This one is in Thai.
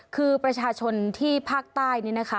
คือประชาชนที่ภาคใต้นี่นะคะ